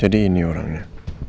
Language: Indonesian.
jadi ini orangnya